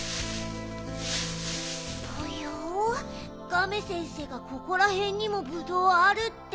ぽよガメ先生がここらへんにもぶどうあるって。